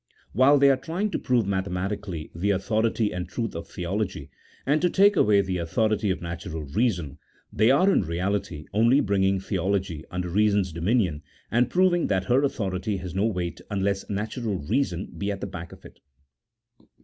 [CHAP. XV. While they are trying to prove mathematically tlie autho rity and truth of theology, and to take away the authority of natural reason, they are in reality only bringing theology under reason's dominion, and proving that her authority has no weight unless natural reason be at the back of it.